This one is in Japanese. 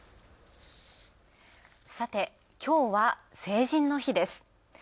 さて、きょうは成人の日です。